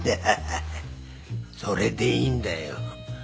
ハハハ！それでいいんだよ。